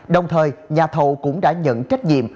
đồng thời nhà thầu cũng đã nhận trách nhiệm